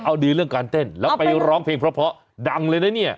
เอาดีเรื่องการเต้นแล้วไปร้องเพลงเพราะดังเลยนะเนี่ย